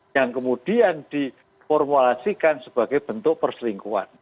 yang kemudian diformulasikan sebagai bentuk perselingkuhan